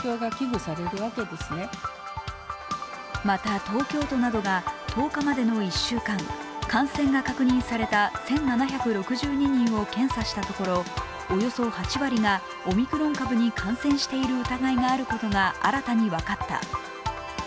また、東京都などが１０日までの１週間、感染が確認された１７６２人を検査したところおよそ８割がオミクロン株に感染している疑いがあることが新たに分かった。